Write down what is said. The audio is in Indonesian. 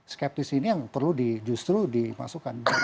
skeptis ini yang justru perlu dimasukkan